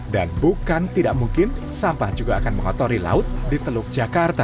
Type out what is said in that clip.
dan bukan tidak mungkin sampah juga akan mengotori laut di teluk jakarta